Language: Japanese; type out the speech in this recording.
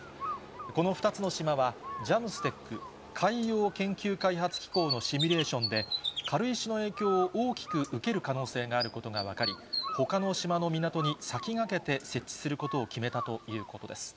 この２つの島は、ジャムステック・海洋研究開発機構のシミュレーションで、軽石の影響を大きく受ける可能性があることが分かり、ほかの島の港に先駆けて設置することを決めたということです。